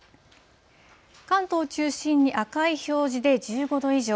関東を中心に赤い表示で１５度以上。